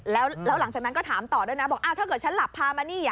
แล้วหลังจากนั้นก็ถามต่อด้วยนะ